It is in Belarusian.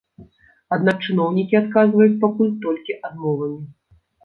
Аднак чыноўнікі адказваюць пакуль толькі адмовамі.